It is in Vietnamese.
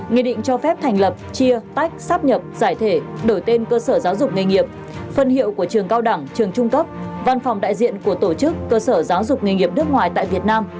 nghị định cho phép thành lập chia tách sắp nhập giải thể đổi tên cơ sở giáo dục nghề nghiệp phân hiệu của trường cao đẳng trường trung cấp văn phòng đại diện của tổ chức cơ sở giáo dục nghề nghiệp nước ngoài tại việt nam